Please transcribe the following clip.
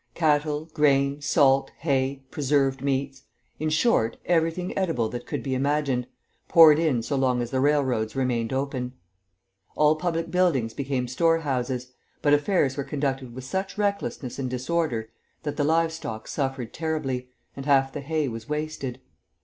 Cattle, grain, salt, hay, preserved meats, in short, everything edible that could be imagined, poured in so long as the railroads remained open. All public buildings became storehouses, but affairs were conducted with such recklessness and disorder that the live stock suffered terribly, and half the hay was wasted.